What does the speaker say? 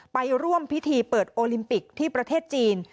ไปร่วมพิธีเปิดโอลิมปิกที่ประเทศจีน